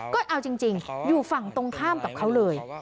ก็เอาจริงอยู่ฝั่งตรงข้ามกับเขาเลย